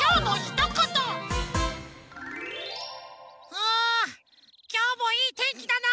あきょうもいいてんきだなあ！